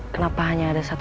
kenapa hanya ada satu